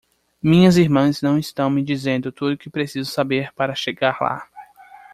Minhas irmãs não estão me dizendo tudo o que preciso saber para chegar lá.